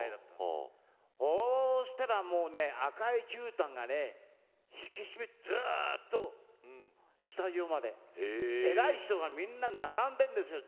そうしたらもうね赤い絨毯がねずっとスタジオまで偉い人がみんな並んでるんですよ